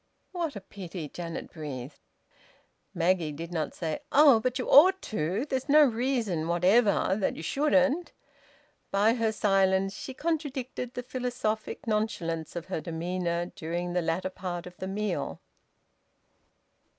"What a pity!" Janet breathed. Maggie did not say, "Oh! But you ought to! There's no reason whatever why you shouldn't!" By her silence she contradicted the philosophic nonchalance of her demeanour during the latter part of the meal.